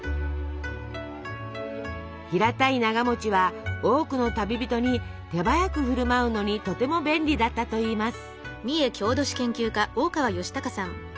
平たいながは多くの旅人に手早く振る舞うのにとても便利だったといいます。